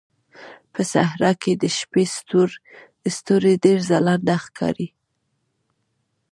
په صحراء کې د شپې ستوري ډېر ځلانده ښکاري.